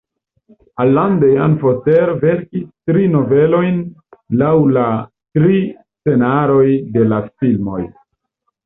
Alan Dean Foster verkis tri novelojn laŭ la tri scenaroj de la filmoj.